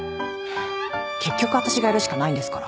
結局私がやるしかないんですから。